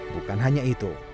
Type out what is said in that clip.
bukan hanya itu